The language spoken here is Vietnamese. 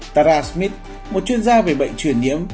tara smith một chuyên gia về bệnh truyền nhiễm